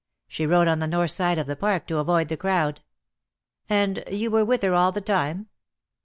She rode on the north side of the Park to avoid the crowd." "And you were with her all the time?"